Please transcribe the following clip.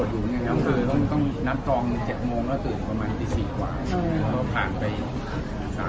ทุกเรื่องเราก็มีการออกกำลังกายมันก่อนอยู่นั่งน้ำตานี่จะ